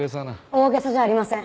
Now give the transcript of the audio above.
大げさじゃありません。